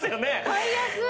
買いやすい！